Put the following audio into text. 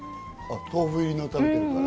豆腐入りのを普段食べてるから。